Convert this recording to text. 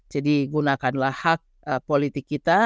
jadi gunakan hak politik kita